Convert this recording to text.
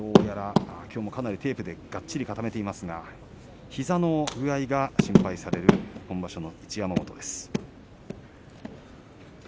きょうも、かなりテープでがっちりと固めていますが膝の具合が心配される今場所の一山本です。